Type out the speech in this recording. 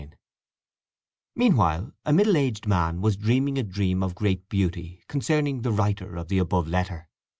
VI Meanwhile a middle aged man was dreaming a dream of great beauty concerning the writer of the above letter.